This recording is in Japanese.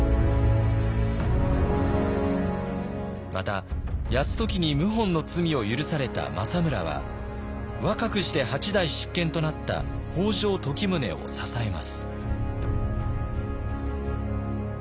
また泰時に謀反の罪を許された政村は若くして８代執権となった北条時宗を支えます。